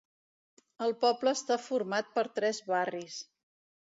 El poble està format per tres barris.